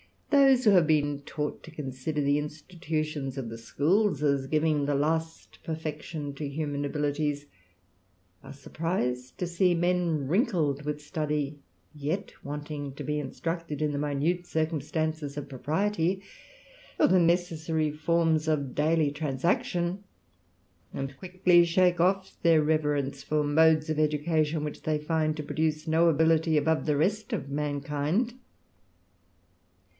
Those who have bet taught to consider the institutions of the schools, as givii the last perfection to human abilities, are surprised "•o see men wrinkled with study, yet wanting to be instruct^^ in the minute circumstances of propriety, or the necessatiy forms of daily transaction; and quickly shake oflf th^/r reverence for modes of education, which they find to produce no ability above the rest of mankind.